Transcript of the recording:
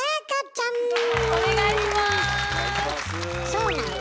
そうなの？